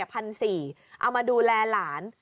เอามาดูแลหลาน